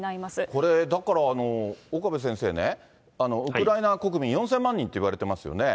これ、だったら岡部先生ね、ウクライナ国民４０００万人っていわれてますよね。